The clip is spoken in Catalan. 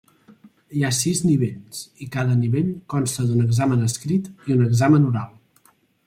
Hi ha sis nivells, i cada nivell consta d'un examen escrit i un examen oral.